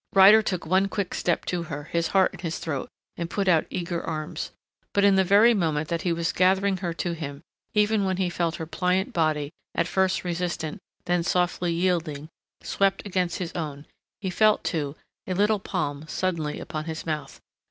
Ryder took one quick step to her, his heart in his throat, and put out eager arms. But in the very moment that he was gathering her to him, even when he felt her pliant body, at first resistant, then softly yielding, swept against his own, he felt, too, a little palm suddenly upon his mouth.